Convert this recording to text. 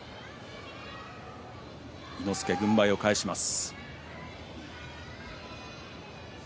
伊之助、軍配を返します。